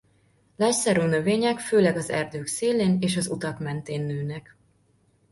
Lágyszárú növények főleg az erdők szélén és az utak mentén nőnek.